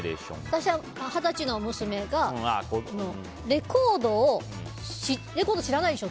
私は二十歳の娘にレコード知らないでしょ？